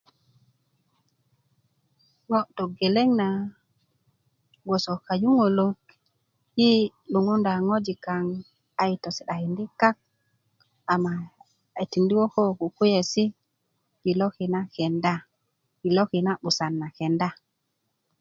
ŋo togeleŋ na bgoso kayuŋolok i luŋunda ŋojik kaŋ a yi tosi'dakindi kak ama a yi tikindi ko kukuwesi i loki na kenda i loki na 'busan na kenda